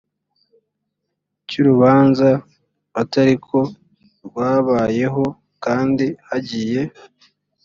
cy urubanza atazi ko rwabayeho kandi hagiye